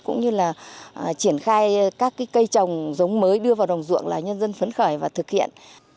cũng như là triển khai các cây trồng giống mới đưa vào đồng ruộng là nhân dân phấn khởi và thực hiện